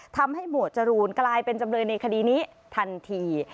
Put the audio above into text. ทำให้หมวดจรูนกลายเป็นจำเนินในคดีนี้ทันที